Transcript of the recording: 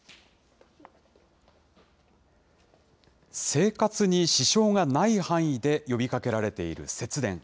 生活に支障がない範囲で呼びかけられている節電。